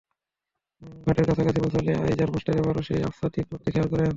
ঘাটের কাছাকাছি পৌঁছালে আইজার মাস্টার এবারও সেই আবছা তিন মূর্তি খেয়াল করেন।